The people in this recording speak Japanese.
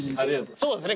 そうですね。